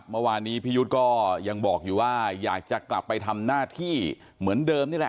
เมื่อวานนี้พี่ยุทธ์ก็ยังบอกอยู่ว่าอยากจะกลับไปทำหน้าที่เหมือนเดิมนี่แหละ